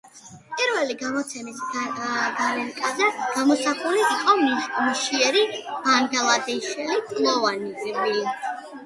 პირველი გამოცემის გარეკანზე გამოსახული იყო მშიერი ბანგლადეშელი ლტოლვილი.